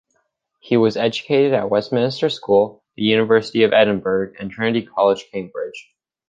He was educated at Westminster School, the University of Edinburgh, and Trinity College, Cambridge.